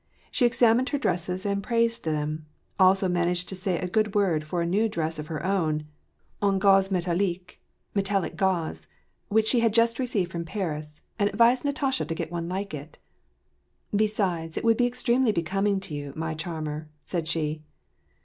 She examined her dresses and praiBed them, and alscf managed to say a good word for a new dress of her own, en gaz metallique — metallic gauze — which she had just received from Paris, and advised Natasha to get one like it. "Besides, it would be extremely becoming to you, my charmer," said she.